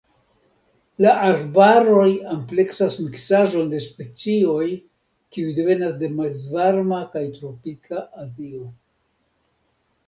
La arbaroj ampleksas miksaĵon de specioj kiuj devenas de mezvarma kaj tropika Azio.